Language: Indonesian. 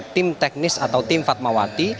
tim teknis atau tim fatmawati